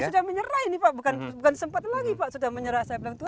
sudah menyerah ini pak bukan sempat lagi pak sudah menyerah saya bilang tuh